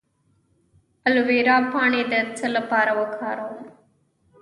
د الوویرا پاڼې د څه لپاره وکاروم؟